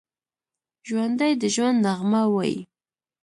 ژوندي د ژوند نغمه وايي